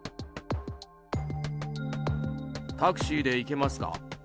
タクシーで行けますか？